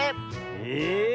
え⁉